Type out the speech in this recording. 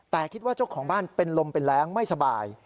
แต่คิดว่าเจ้าของบ้านเป็นลมเป็นแรงไม่สบาย